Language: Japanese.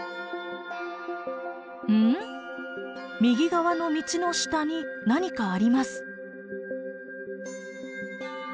右側の道の下に何かあります。